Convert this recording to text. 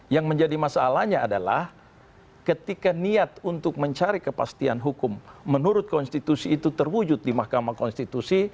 yang menjadi masalahnya adalah ketika niat untuk mencari kepastian hukum menurut konstitusi itu terwujud di mahkamah konstitusi